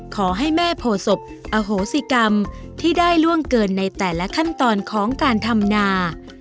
ขอให้แม่โพศพอโหสิกรรมที่ได้ล่วงเกินในแต่ละขั้นตอนของการทำนา